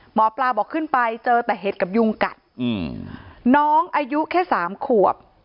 หมอปลาบอกขึ้นไปเจอแต่เห็ดกับยุงกัดน้องอายุแค่สามขวบ